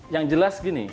yang jelas begini